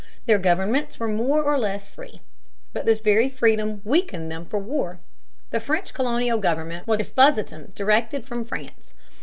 Their governments were more or less free. But this very freedom weakened them for war. The French colonial government was a despotism directed from France.